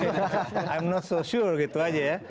i'm not so sure gitu aja ya